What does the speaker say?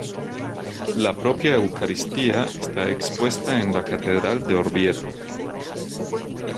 La propia Eucaristía está expuesta en la Catedral de Orvieto.